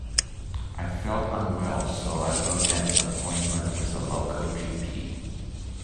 I felt unwell so I booked an appointment with the local G P.